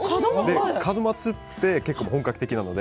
門松は結構、本格的なので。